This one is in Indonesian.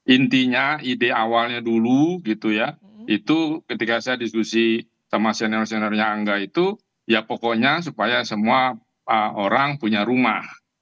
intinya ide awalnya dulu gitu ya itu ketika saya diskusi sama senior seniornya angga itu ya pokoknya supaya semua orang punya rumah